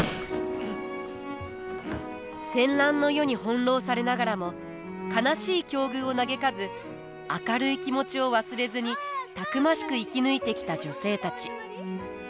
戦乱の世に翻弄されながらも悲しい境遇を嘆かず明るい気持ちを忘れずにたくましく生き抜いてきた女性たち。